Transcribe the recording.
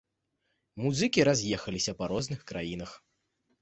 Музыкі раз'ехаліся па розных краінах.